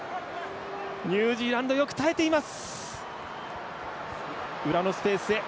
ニュージーランドよく耐えています。